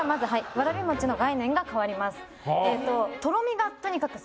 わらび餅の概念が変わります。